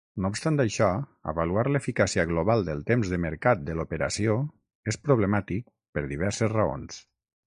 No obstant això, avaluar l'eficàcia global del temps de mercat de l'operació és problemàtic per diverses raons.